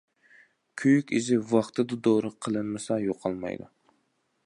كۆيۈك ئىزى ۋاقتىدا دورا قىلىنمىسا يوقالمايدۇ.